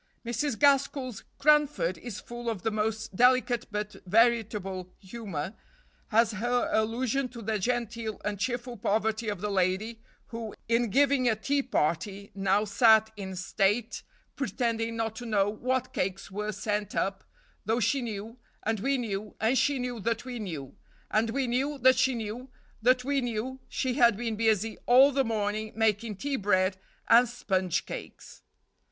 Mrs. Gaskell's "Cranford" is full of the most delicate but veritable humor, as her allusion to the genteel and cheerful poverty of the lady who, in giving a tea party, "now sat in state, pretending not to know what cakes were sent up, though she knew, and we knew, and she knew that we knew; and we knew that she knew that we knew she had been busy all the morning making tea bread and sponge cakes."